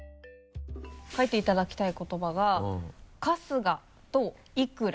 書いていただきたい言葉が「かすが」と「いくら」